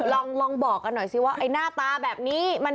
ลองบอกกันหน่อยสิว่าไอ้หน้าตาแบบนี้